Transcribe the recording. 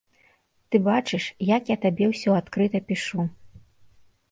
Ты бачыш, як я табе ўсё адкрыта пішу.